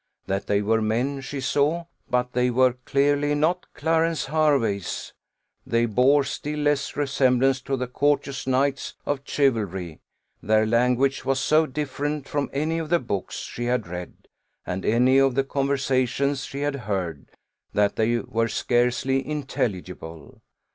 That they were men she saw; but they were clearly not Clarence Herveys: they bore still less resemblance to the courteous knights of chivalry. Their language was so different from any of the books she had read, and any of the conversations she had heard, that they were scarcely intelligible.